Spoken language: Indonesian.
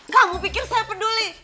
kamu pikir saya peduli